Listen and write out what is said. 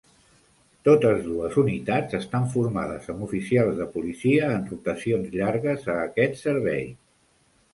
Totes dues unitats estan formades amb oficials de policia en rotacions llargues a aquests serveis.